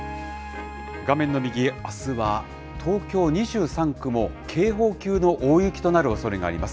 画面の右上、あすは東京２３区も警報級の大雪となるおそれがあります。